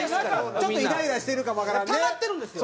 ちょっとイライラしてるかもわからんね。